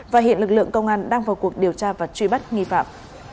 và hiện lực lượng công an đang vào cuộc điều tra và truy bắt nghi phạm